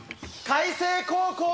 開成高校！